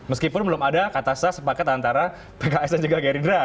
meskipun belum ada kata sah sepakat antara pks dan juga gerindra